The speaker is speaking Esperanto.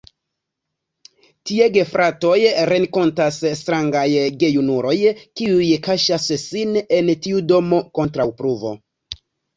Tie gefratoj renkontas strangaj gejunuloj, kiuj kaŝas sin en tiu domo kontraŭ pluvo.